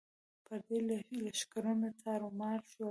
پردي لښکرونه تارو مار شول.